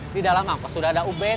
di dalam angkos sudah ada ub